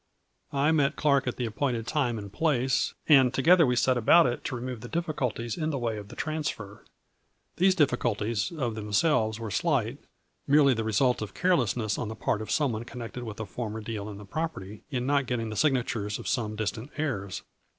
" I met Clark at the appointed time and place, and together we set about it to remove the diffi culties in the way of the transfer. These diffi culties, of themselves, were slight, merely the result of carelessness on the part of some one, connected with a former deal in the property, in not getting the signatures of some distant heirs.